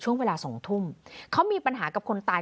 ช่วงเวลาสองทุ่มเขามีปัญหากับคนตาย